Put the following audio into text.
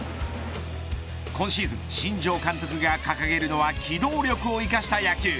今シーズン新庄監督が掲げるのは機動力を生かした野球。